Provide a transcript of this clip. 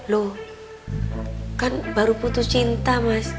loh kan baru putus cinta mas